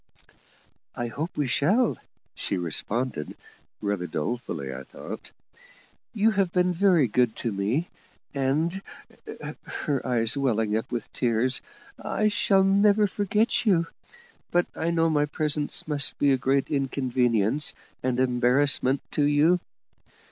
"I hope we shall," she responded; rather dolefully, I thought. "You have been very good to me, and," her eyes welling up with tears "I shall never forget you; but I know my presence must be a great inconvenience and embarrassment to you."